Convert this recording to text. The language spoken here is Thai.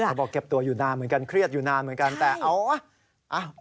บอกเก็บตัวอยู่นานเหมือนกันเครียดอยู่นานเหมือนกันแต่เอาวะ